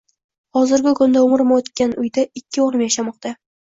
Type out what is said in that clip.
Hozirgi kunda, umrim o`tgan uyda ikki o`g`lim yashamoqda